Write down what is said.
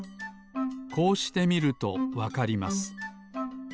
こうしてみるとわかります。